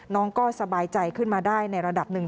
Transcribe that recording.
น้องก็สบายใจขึ้นมาได้ในระดับหนึ่ง